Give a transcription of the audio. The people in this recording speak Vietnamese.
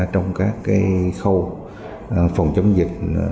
trong các khâu phòng chống dịch